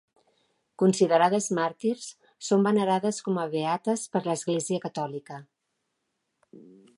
Considerades màrtirs, són venerades com a beates per l'Església catòlica.